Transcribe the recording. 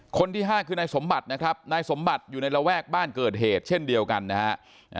คนที่๕คือนายสมบัตินะครับนายสมบัติอยู่ในระแวกบ้านเกิดเหตุเช่นเดียวกันนะฮะ